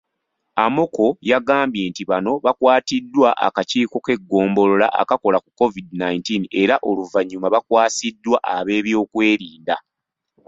Amoko, yagambye nti bano baakwatiddwa akakiiko k'eggombolola akakola ku COVID nineteen era oluvannyuma baakwasiddwa ab'ebyokwerinda.